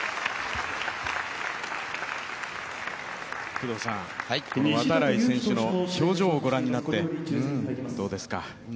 工藤さん、度会選手の表情をご覧なってどうですか。